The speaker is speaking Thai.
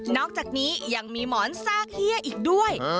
อกจากนี้ยังมีหมอนซากเฮียอีกด้วย